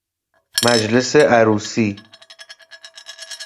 مجلس عروسی